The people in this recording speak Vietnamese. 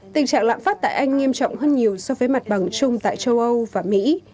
tình trạng lạm phát tại anh nghiêm trọng hơn nhiều so với mặt bằng chung tại châu âu và mỹ